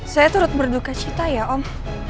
saya turut berduka cita ya om